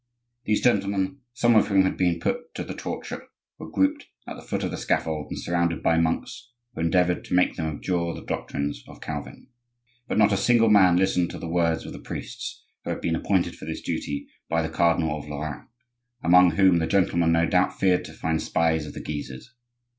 These gentlemen, some of whom had been put to the torture, were grouped at the foot of the scaffold and surrounded by monks, who endeavored to make them abjure the doctrines of Calvin. But not a single man listened to the words of the priests who had been appointed for this duty by the Cardinal of Lorraine; among whom the gentlemen no doubt feared to find spies of the Guises.